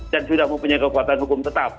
dan sudah mempunyai kekuatan hukum tetap